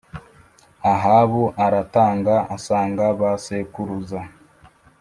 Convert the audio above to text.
Ahabu aratanga asanga ba sekuruza